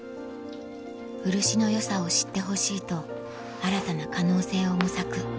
漆の良さを知ってほしいと新たな可能性を模索